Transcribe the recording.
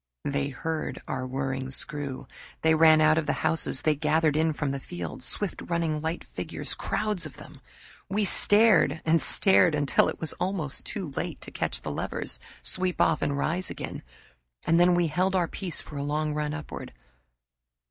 They heard our whirring screw. They ran out of the houses they gathered in from the fields, swift running light figures, crowds of them. We stared and stared until it was almost too late to catch the levers, sweep off and rise again; and then we held our peace for a long run upward.